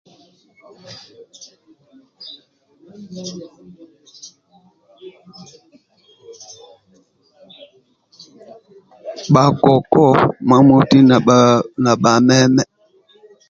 Bhakoko imamoti na bhameme